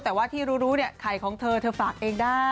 แต่ว่าที่รู้เนี่ยไข่ของเธอเธอฝากเองได้